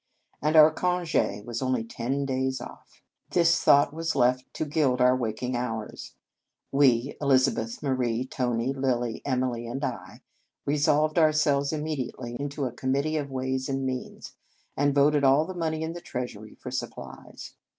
And our conge was only ten days off. This thought was left to gild our wak ing hours. We Elizabeth, Marie, Tony, Lilly, Emily, and I resolved ourselves immediately into a commit tee of ways and means, and voted all the money in the treasury for supplies.